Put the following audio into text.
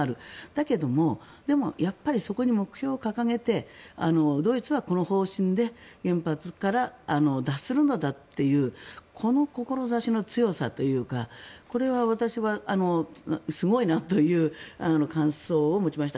だけども、やっぱりそこに目標を掲げてドイツは、この方針で原発から脱するのだというこの志の強さというかこれは私はすごいなという感想を持ちました。